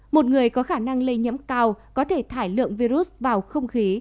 một người có khả năng lây nhiễm cao có thể thải lượng virus vào không khí